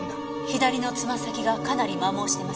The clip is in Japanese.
左のつま先がかなり磨耗してますね。